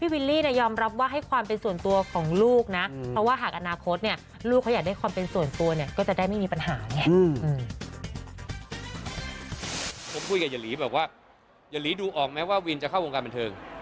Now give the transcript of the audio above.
วินจะเข้าวงการบรรเทิง